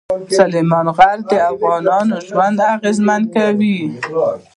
سلیمان غر د افغانانو ژوند اغېزمن کوي.